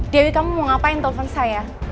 dewi kamu mau ngapain telpon saya